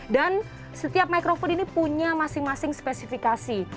dan setiap microphone ini punya masing masing spesifikasi